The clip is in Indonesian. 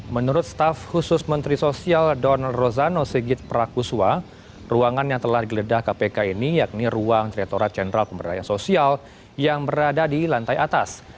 menurut staf khusus menteri sosial donald rozano sigit prakuswa ruangan yang telah digeledah kpk ini yakni ruang direkturat jenderal pemberdayaan sosial yang berada di lantai atas